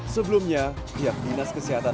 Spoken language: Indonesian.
sebelumnya pihak dinas kesehatan